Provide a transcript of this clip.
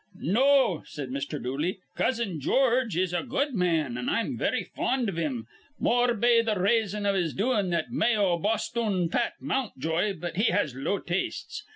"No," said Mr. Dooley. "Cousin George is a good man, an' I'm very fond iv him, more be raison iv his doin' that May o bosthoon Pat Mountjoy, but he has low tastes.